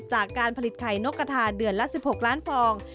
จากการผลิตไข่นกกระทาเดือนละ๑๖ล้านฟอง